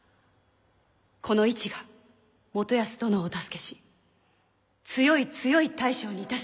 この市が元康殿をお助けし強い強い大将にいたしまする。